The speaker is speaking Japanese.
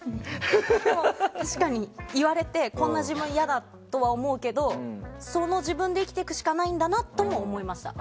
でも、確かに言われてこんな自分いやだと思うけどその自分で生きていくしかないんだなとも思いました。